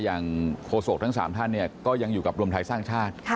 อย่างโฆษก์ทั้งสามท่านก็ยังอยู่กับรวมไทยสร้างชาติ